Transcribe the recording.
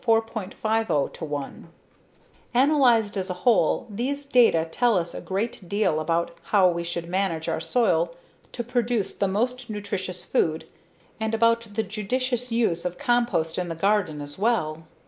50/1 Analyzed as a whole, these data tell us a great deal about how we should manage our soil to produce the most nutritious food and about the judicious use of compost in the garden as well.